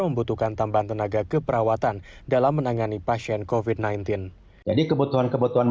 membutuhkan tambahan tenaga keperawatan dalam menangani pasien covid sembilan belas jadi kebutuhan kebutuhan